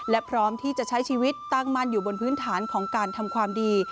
และพร้อมที่จะใช้ชีวิตตั้งมั่นอยู่บนพื้นฐานของการทำความดี